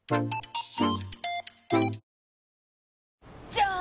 じゃーん！